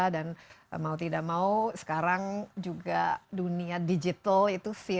dan mau tidak mau sekarang juga dunia digital itu